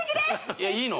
いやいいの？